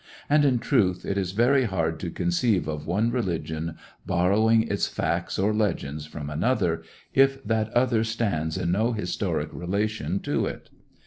And, in truth, it is very hard to conceive of one religion borrowing its facts or legends from another, if that other stands in no historic relation to it.